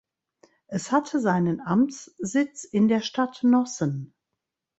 Es hatte seinen Amtssitz in der Stadt Nossen.